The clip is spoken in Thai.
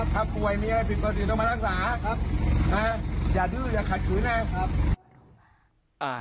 ต้องมารักษาครับแต่ถ้าดื้อหรือขัดหูน่ะครับอ่า